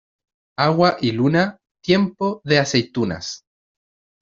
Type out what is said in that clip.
Agua y luna, tiempo de aceitunas.